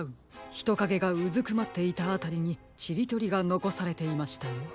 ひとかげがうずくまっていたあたりにちりとりがのこされていましたよ。